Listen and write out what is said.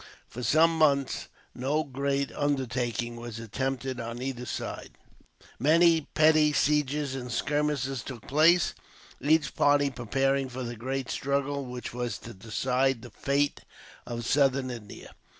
For some months, no great undertaking was attempted on either side. Many petty sieges and skirmishes took place, each party preparing for the great struggle, which was to decide the fate of Southern India.